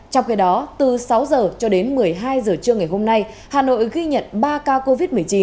trong khi đó từ sáu h cho đến một mươi hai giờ trưa ngày hôm nay hà nội ghi nhận ba ca covid một mươi chín